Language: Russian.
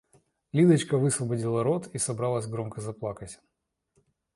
Лидочка высвободила рот и собралась громко заплакать.